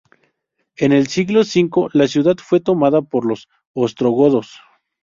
En el siglo V la ciudad fue tomada por los ostrogodos.